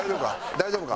大丈夫か？